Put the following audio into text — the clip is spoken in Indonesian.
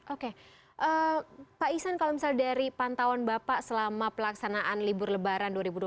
oke pak isan kalau misalnya dari pantauan bapak selama pelaksanaan libur lebaran dua ribu dua puluh